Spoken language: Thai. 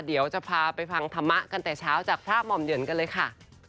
เดี๋ยวจะพาไปฟังธรรมะกันแต่เช้าจากพระหม่อมเดือนกันเลยค่ะ